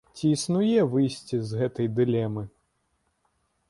Ці існуе выйсце з гэтае дылемы?